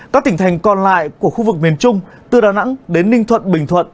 các tỉnh thành còn lại của khu vực miền trung từ đà nẵng đến ninh thuận bình thuận